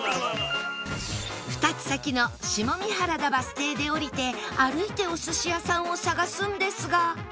２つ先の下三原田バス停で降りて歩いてお寿司屋さんを探すんですが